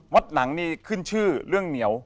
หนังนี่ขึ้นชื่อเรื่องเหนียว